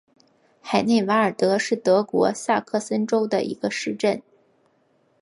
海内瓦尔德是德国萨克森州的一个市镇。